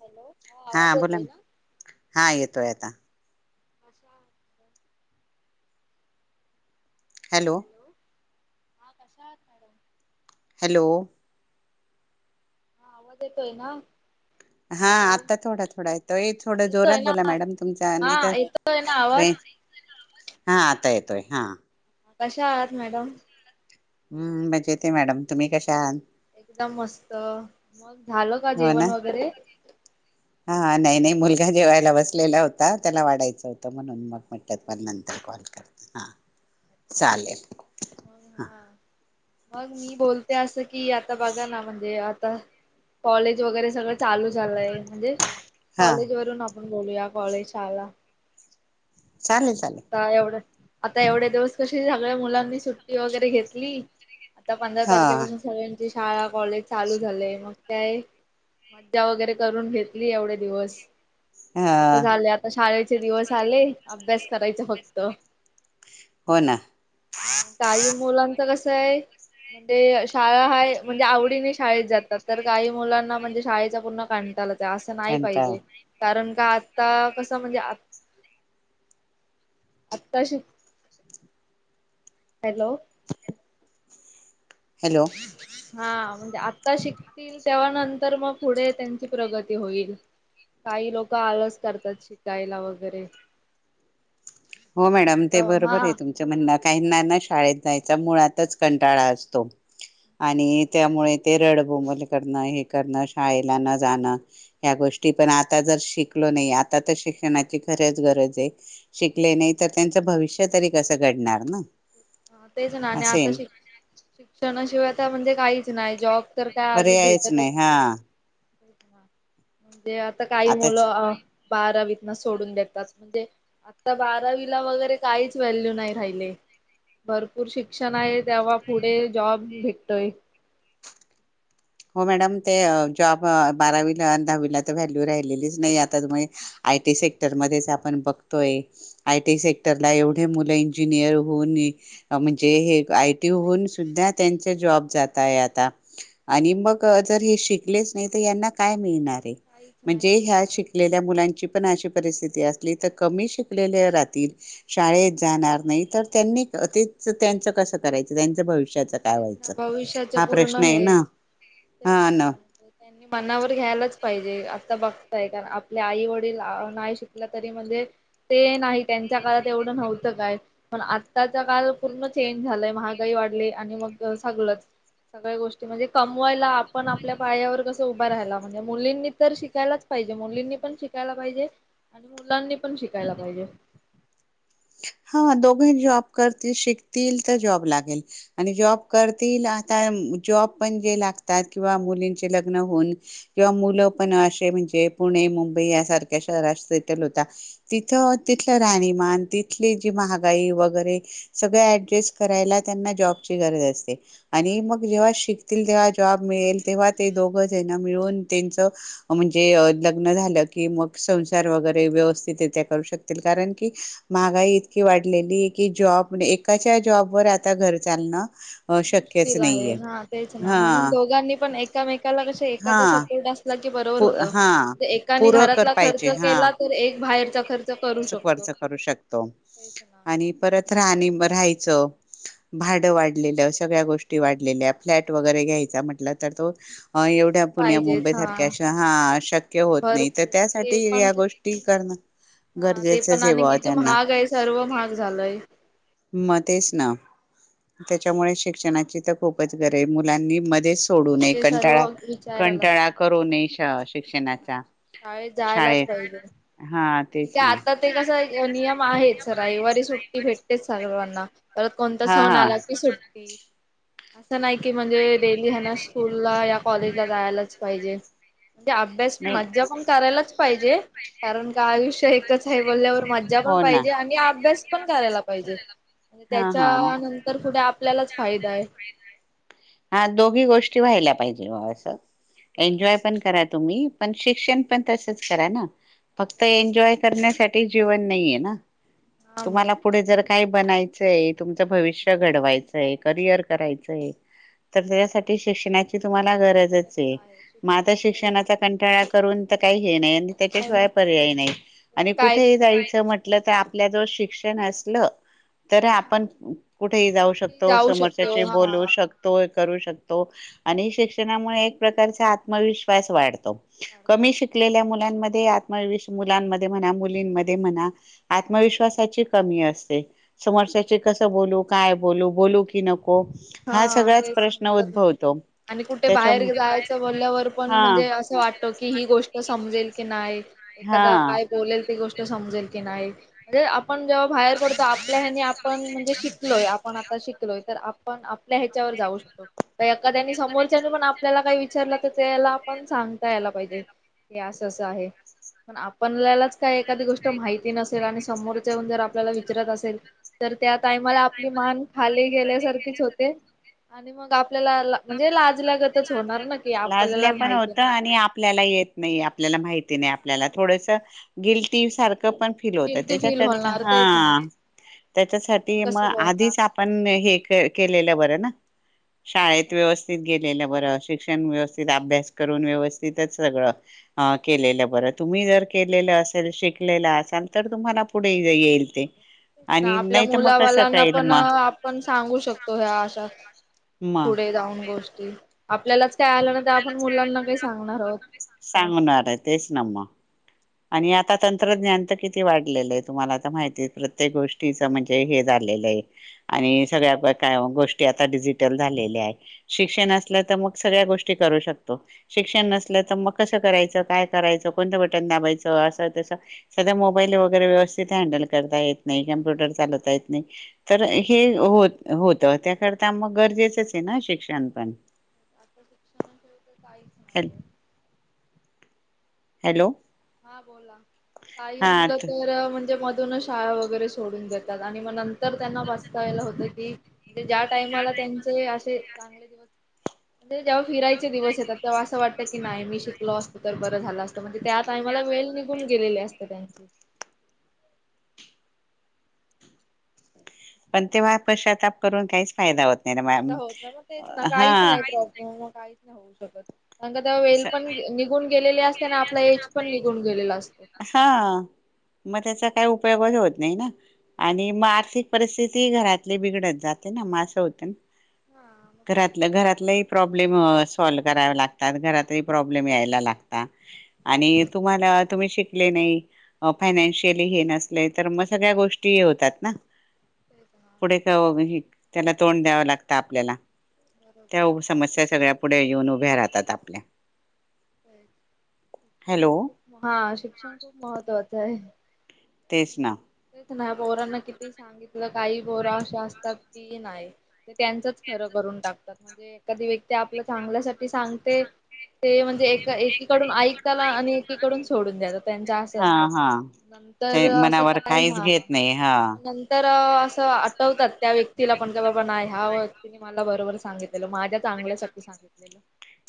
Hello हा आवाज बोला येतोय ना, हा येतोय आता. अशा [unintelligible] हॅलो. हा कशा आहात मॅडम? हॅलो. हा आवाज येतोय ना? हा, हॅलो आत्ता थोडा थोडा येतोय थोडं येतोय जोरात ना बोला मॅडम तुमच्या नाही तर हा येतोय ना आवाज? रेंज हा आता येतोय हा. कशा आहात मॅडम? हम्म मजेत हे मॅडम तुम्ही कशा आहात? एकदम मस्त मग झालं का हो ना जेवण वगैरे. हा, नाही, नाही मुलगा जेवायला बसलेला होता त्याला वाढायचं होतं म्हणून मग म्हंटलं नंतर कॉल हा हा चालेल मग हा मग मी बोलते असं कि आता बघा ना, म्हणजे आता कॉलेज वगैरे सगळं चालू झालंय म्हणजे हा कॉलेज वरून आपण बोलूया, कॉलेज शाला. चालेल चालेल आता एवढं आता एवढ्या दिवस कशी सगळ्या मुलांनी सुट्टी वगैरे घेतली आता पंधरा हा तारखेपासून सगळ्यांची शाळा कॉलेज चालू झालेय मग काय मज्जा वगैरे करून घेतली एवढे दिवस. आता हा झाले आता शाळेचे दिवस आले. अभ्यास करायचा फक्त. हो हा, ना हा ताई मुलांच कसं हे म्हणजे शाळा हाय म्हणजे आवडीने शाळेत जातात. तर काही मुलांना म्हणजे शाळेचा पूर्ण कंटाळाच असं नाही कंटाळा पाहिजे कारण का आता कसं म्हणजे आत्ताशीक हॅलो. हॅलो. हां, म्हणजे आता शिकतील तेव्हा नंतर मग पुढे त्यांची प्रगती होईल. काही लोक आळस करतात शिकायला वगैरे हो मॅडम आता ते हा बरोबर आहे तुमच्या म्हणन आता काहीना शाळेत जायचा मुळातच कंटाळा असतो आणि त्यामुळे रड बोंबल करण हे करण शाळेला न जाणं या गोष्टी पण आता [unintelligible] नाही आता तर शिक्षणाची खरच गरज हे [unintelligible] ले नाही तर त्यांच भविष्य तरी कस घडणार ना? तेच ना आणि असे आता शिक शिक्षणाशिवाय म्हणजे काहीच नाही जॉब तर काय आजी पर्यायच भेटतच हा नाही. [unintelligible] म्हणजे आता काही आताच मुलं बारावीत सोडून देतात म्हणजे आता बारावीला वगैरे काहीच व्हॅल्यू नाही राहिले भरपूर शिक्षण आहे तेव्हा पुढे जॉब भेटतोय हो मॅडम ते जॉब बारावीला दहावीला तर व्हॅल्यू राहिलेलीच नाही आता त आय टी सेक्टर मध्येच आपण बघतोय आयटी सेक्टर ला एवढे मुलं इंजिनियर होऊन म्हणजे आयी सुधा त्यां जॉब जातय आ आणि मग जर हे शिकलेच नाही तर यांना काय मिळणार काहीच नाही म्हणजे ह्या भेटणार. शिकलेल्या मुलांची पण अशी परिस्थिती असते क श रा शणार नाही त्यां कसं करायचं त्यांच भविष्याच काय तेच ना व्हायचं भविष्याच हा पूर्ण प्रश्न आहे हेच ना तेच ना त्यांनी मनावर घ्यायलाच पाहिजे आता बघताय कारण आपले आई वडील नाही शिकला तरी म्हणजे ते नाही त्यांच्या काळात एवढं नव्हतं काय पण आत्ताच काल पूर्ण चेंज झालंय महागाई वाढली आणि मग सगळच सगळ्या गोष्टी म्हणजे कमवायला आपण आपल्या पायावर कसं उभं राहायला म्हणजे मुलींनी तर शिकायलाच पाहिजे हिजे मुलींनी पण शिकायला पाहिजे आणि मुलांनी पण शिकायला पाहिजे हा दोघे जॉब करतील शिकतील तर जॉब लागेल आणि जॉब तेच करतील जॉब पणे लागतात किंवा मुलीं लग् होन किंवा मु पणे चे पुणे मुंबई या सारख्या शहर सटल होता तिथ तिथलं राणीमान जी महागाई वगैरे सगळ ऍडजस्ट करायला त्यांना जॉबची गरज असते आणि काय मग जेव्हा शिक तेव्हा जॉब मिळेल तेव्हा ते दोघ जना मिळून त्यांच म्हणजे लग्न झालं क मग संसार वगैरे व्यवस्थित रित्या करू शकतील कारण की महागाई इतकी वाढलेली कि जॉब म्ह एकाच्या जॉबवरर आता घर चालणं शक्यच मुश्किल आहे नाहीये हा तेच ना हा म्हणून दोघांनी पण एकामेकाला क हा एकाचा सपोर्ट असला बरोबर पु हा होत एका पूरकर घरात खर्च केला तर एक बाहेर वर्च करू शकतो तेच ना आणि परत राह राहायचं भाडं वाढलेलं सगळ्या गोष्टी वाढलेल्या फ्लॅट वगैरे घ्यायचा म्हटलं तर तो अ पैसे एवढ्या पुण्या पाहिजेच मुंबई सारख्या हा अशा हा शक्य होत नाही तर भरपूर ते त्यासाठी पण या गोष्टी करण हा ते पण आणि किती महाग आहे सर्व महाग झालंय म तेच ना त्याच्यामुळे शिक्षणाची तर खूपच गर मुलांनी मध्येच सोडू नये हे सर्व कंटाळा विचारायलाच कंटाळा करू नये शिक्षणाचा शाळेत शाळ हा तेच का ना आता ते कसा नियम आहेच रविवारी सुट्टी भेटते सर्वांना परत कोणता हा सण हा आला की सुट्टी असं नाही की म्हणजे डेली ह ना स्कूलला या कॉलेजला जायलाच पाहिजे म्हणजे अभ्यास नाही मज्जा पण करायलाच पाहिजे कारण का आयुष्य एकच आहे बोलल्यावर मज्जा पण हो ना पाहिजे आणि अभ्यास पण करायला पाहिजे आणि पाहिजे हा हा त्याच्या नंतर कुठे आपल्यालाच फायदा आहे हा दोघी गोष्टी व्हायल्या पाहिजे बा असं एन्जॉय पण करा तुम्ही पण शिक्षण पण तसच करा ना फक्त एन्जॉय करण्यासाठी जीवन नाहीये ना हा मग तुम्हाला ते पुढे जर काय बनायचं तुमचं भविष्य घडवायचंय करियर करायचंय तर त्याच्यासाठी शिक्षणाची तुम्हाला गरजच गरज आहे मग आता शिक्षण पाहिजे शिक्षणाचा कंटाळा करून का नाही त्याच्याशिवाय पर्याय नाही आणि काय कुठे जायच म्ह लं तर आपल्या ज शिक्षण असलं तर आपण कुठेही जाऊ कुठे शकतो जाऊ समोरच्याशी शकतो हा बोलवू शकतो करू शकतो आणि शिक्षणामुळे एक प्रकारचा आत्मविश्वास वाढतो कमी काढतो शिकलेल्या मु मुलांमध्ये आत्मविश मुलांमध्ये म्हणा मुलींमध्ये म्हणा आत्मविश्वासाची कमी असते ते समोरश्याशी कसं बोलू काय बोलू बोलू कि नको हाच हा हाच तेच प्रश्न समजत नाही. उद्भवतो आणि कुठे त्याच्या बाहेर जायचं बोलल्यावर पण हा म्हणजे असं वाटत कि ही समजेल की नाय हा एखादा काय बोलेल ती गोष्ट समजेल म्हणजे आपण जेव्हा बाहेर पडतो आपल्या ह्यांनी आपण म्हणजे शिकलो आपण आता शिकलोय तर आपण आपल्या ह्याच्यावर जाऊ शकतो तर एखाद्यानी समोरच्याने पण आपल्याला काही विचारला तर त्याला पण सांगता यायला पाहिजे कि असं असं आहे पण आपणल्यालाच एखादी गोष्ट माहिती नसेल आणि समोरचे येऊन जर आपल्याला विचारत असेल तर त्या टायमाला आपली मान खाली गेल्यासारखीच होते आणि मग आपल्याला म्हणजे लाजल्यागतच होणार ना की आपल्याला लाजल्या पण माहिती होत नाही काय. आणि आपल्याला पण येत नाही आपल्याला माहित नाही आपल्याला थोडस गिल्टी सारखं पण फील होतं गिल्टी फील त्याच्याकरता होणार तेच ना हा आपण त्याच्यासाठी मग कसं बोलणार आधीच आपण हे केल केलेलं बरं ना तेच शाळेत ना. व्यवस आपल्याला बर शिक्षण व्यवस्थित अभ्यास करुन व्यवस्थितच सगळं ह केलेलं बरं तुम्ही जर केलेल असेल शिकलेल असाल तर तुम्हाला पुढे ये येईल ते आणि आपल्या नाही तर मग आपल्या कसं मुलावालांना काईल पण अ मग मुलाबाळांना पण आपण सांगू शकतो ह्या अशा मा पुढे गोष्टी आपल्यालाच काही आल्या नाही तर आपण मुलांना काय सांगणार आहोत सांगणार तेच ना मग आणि आता तंत्रज्ञान तर किती वाढलेलंय तुम्हाला आता माहिती प्रत्येक गोष्टी तिच म्हणजे हे झालेलं हे आणि सगळ्या तर गोष्टी आता डिजिटल झालेल्या आहे शिक्षण असलं तर मग सगळ्या गोष्टी करू शकतो शिक्षण नसल तर मग कस करायचं काय करायचं कोणतं बटन दाबायच त असं तस सध्या मोबाईल वगैरे व्यवस्थित हँडल करता ये नाही कॉम्प्युटर चालवता येत नाही तर हे हो होतं त्याकरता मग गरजेचंच हे ना शिक्षण पण आता शिक्षणाशिवाय तर काही हल हॅलो हा बोला काही हा मुलं त तर म्हणजे म पूर्ण शाळा वगैरे सोडून देतात आणि मग नंतर त्यांना वाचतायला होतं की ज्या टाईमाला त्यांचे असे चांगले दिवस म्हणजे जेव्हा फिरायचे दिवस येतात तेव्हा असं वाटतं की नाही मी शिकलो असतो तर बरं झालं असतं म्हणजे त्या टाईमाला वेळ निघून गेलेली असते त्यांची पण तेव्हा पश्चाताप करून काहीच फायदा होत नाही ना काहीदा मॅम होत नाही ना मग तेच ना हा काहीच नाही प्रॉब्लेम मग काहीच नाही होऊ शकत तेव्हा वेल स पण निघून गेलेली असते आणि आपला एज पण निघून गेलेला असतो ह मर काही उपयोगच होत नाही ना आणि मग आर्थिक परिस्थिती घरातली बिघडत जाते ना मग असं होतं हा मग तेच. घरातल्या घरातल्याही प्रॉब्लेम अ सॉल्व कराव ला अन घरातही प्रॉब्लेम यायला लागता आणि तुम्हांला तुम्ही शिकले नाही फायनानशियली हे नसले तर मग सगळ्या गोष्टी हे होतात ना तेच ना पुढे काय होईल त्याला तोंड द्यावं लागतं आपल्याला त्या बरोबर अ समस्या सगळ्या पुढे येऊन उभ्या राहतात आपल्या शिक्षण हॅलो खूप हा शिक्षण खूप महत्वाच आहे तेचना नाय पोरांना किती सांगितलं काही पोरा अशे असतात की नाय ते त्यांचच खरं करू टाकतात म्हणजे एखादी व्यक्ती आपल्या चांगल्यासाठी सांगते ते एक एकीकडून ऐकताना आणि एकीकडून सोडून द्याच त्यांच असं हा असतं हा नंतर ते असं मनावर काय काहीच हा घेत नाही हा नंतर असं आठवतात त्या व्यक्तीला पण की बाबा नाही ह्या व्यक्तीनी मला बरोबर सांगितलेलं माझ्या चांग चांगल्यासाठी सांगितलेलं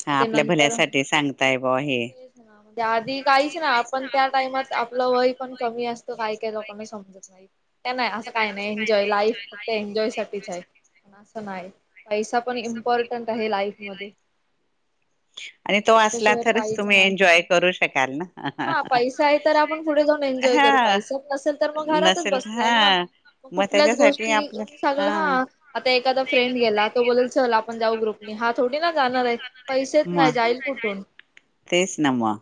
हा ते आपल्या नंतर भल्यासाठी सांगताय बा हे तेच ना आधी काहीच ना आपण त्या टाइमात आपलं वय पण कमी असतं काय काय लोकांना समजत नाही नाही असं काही नाही एन्जॉय लाईफ एन्जॉय साठीच आहे पण असं नाही पैसा पण इम्पॉर्टंट आहे लाईफ मध्ये [inaudible] आणि [inaudible] तो असला तरच तुम्ही करू एन्जॉय करू शकाल ना हा पैसेच नसेल तर मग घरातच नसेल बसताय ना हा मग कुठल्याच गोष्टी सांगल हा आता एखादा फ्रेंड गेला तो बोलेल चल आपण जाऊ ग्रुपने हा थोडी ना जाणार आहे पैसेच नाही मग जाईल कुठून तेच ना मग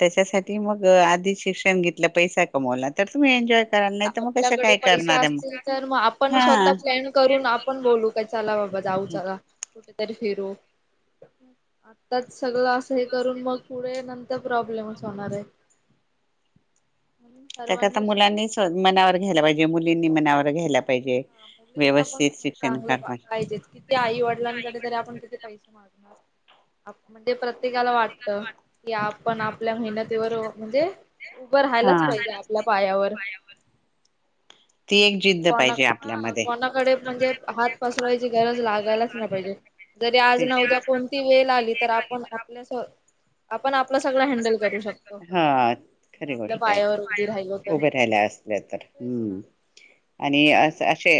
त्याच्यासाठी तर मग आधी शिक्षण घेतलं पैसा कमवला तर तुम्ही एन्जॉय कराल नाही तर मग कसं आपल्याकडे काय पैसे करणार आहे असतील तर मग आपण हा स्वतः प्लॅन करून आपण बोलू का चला बाबा जाऊ च कुठेतरी फिरू आत्ताच सगळ असं हे करून मग पुढे नंतर प्रॉब्लेमच होणार आहे त्याकरता सर्वांनी शिक मुलांनी मनावर घ्यायला पाहिजे मुलींनी मनावर घ्यायला पाहिजे हा मुलींना पण व्यवस्थित शिक्षण चांगलं कर पाहिजे किती आई वडिलांकडे तरी आपण किती पैसे समाज अस म्हणजे प्रत्येकाल वाटतं की आपण आपल्या मेहनतीवर म्हणजे उभं राहायलाच हा पाहिजे आपल्या पायावर ती एक जिद्द कोणा पाहिजे हा आपल्यामध्ये कोणाकडे म्हणजे हात पसरवायची गरज लागायलाच नाही पाहिजे जरी आज ना उद्या कोणती वेळ आली तर आपण आपल्यास आपण आपलं सगळ हँडल करू शकतो हा म्हणजे खरी आपल्या गोष्ट पायावर उभी राहिलो आहे तर उभे राहिला असले तर तेच हम्म ना आणि अस असे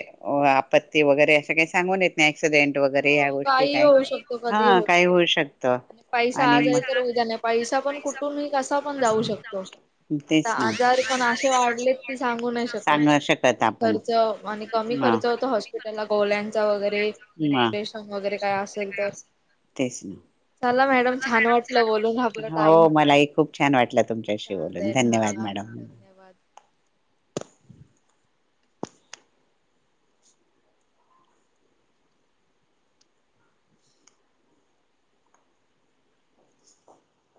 आपत्ती वगैरे असं काही सांगून येत नाही एक्सीडेंट वगैरे या हो गोष्टी काही होऊ शकतो कधी हा काही शकतो. होऊ शकत पैसा आणि आज म आहे तर उद्या नाही पैसा पण कुठूनही कसा पण जाऊ शकतो आता तेच ना आजार पण असे थांबवू नाही शकत सांग शकत आपण हमखर्च आणि कमी खर्च होत हॉस्पिटलला गोळ्यांचा व हम् श वगैरे काय असेल तर तेच ना चला मॅड म छान वाटलं बोलून आपलं टाईम हो मलाही खूप छान वाटलं तुमच्याशी बोलून चालेल धन्यवाद हा मॅडम धन्यवाद